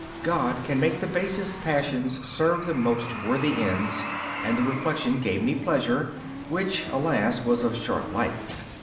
God can make the basest passions serve the most worthy ends, and the reflection gave me pleasure, which, alas, was of short life.